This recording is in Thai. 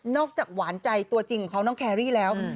จากหวานใจตัวจริงของเขาน้องแครรี่แล้ว